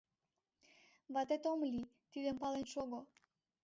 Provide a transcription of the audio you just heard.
Ватет ом лий — тидым пален шого.